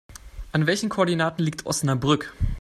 An welchen Koordinaten liegt Osnabrück?